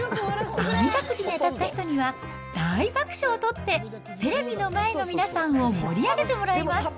あみだくじに当たった人には、大爆笑を取って、テレビの前の皆さんを盛り上げてもらいます。